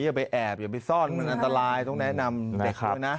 อย่าไปแอบอย่าไปซ่อนมันอันตรายต้องแนะนำเด็กด้วยนะ